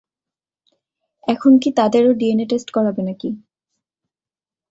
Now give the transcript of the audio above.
এখন কী তাদেরও ডিএনএ টেস্ট করাবে নাকি?